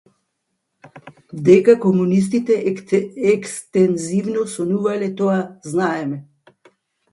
Дека комунистите екстензивно сонувале - тоа знаеме.